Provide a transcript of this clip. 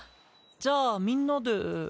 じゃあみんなで。